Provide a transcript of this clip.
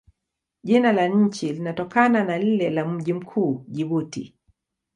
Jina la nchi linatokana na lile la mji mkuu, Jibuti.